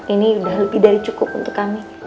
ini udah lebih dari cukup untuk kami